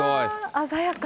鮮やか。